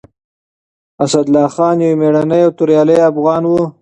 اسدالله خان يو مېړنی او توريالی افغان و.